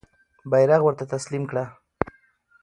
بیرغ ورته تسلیم کړه.